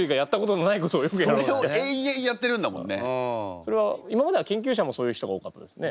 それは今までは研究者もそういう人が多かったですね。